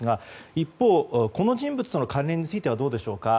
一方、この人物の関連についてはどうでしょうか。